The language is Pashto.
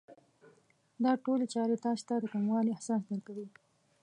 دا ټولې چارې تاسې ته د کموالي احساس درکوي.